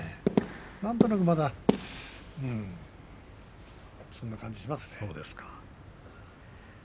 なんとなく、まだそんな感じしますね。